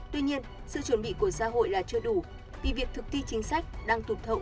tuy nhiên sự chuẩn bị của xã hội là chưa đủ vì việc thực thi chính sách đang tụt hậu